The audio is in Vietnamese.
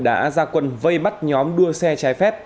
đã ra quân vây bắt nhóm đua xe trái phép